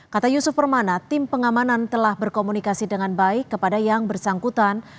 kata yusuf permana tim pengamanan telah berkomunikasi dengan baik kepada yang bersangkutan